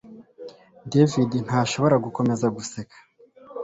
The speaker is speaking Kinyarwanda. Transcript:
David ntashobora gukomeza guseka